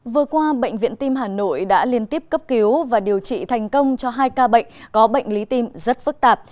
vừa qua bệnh viện tim hà nội đã liên tiếp cấp cứu và điều trị thành công cho hai ca bệnh có bệnh lý tim rất phức tạp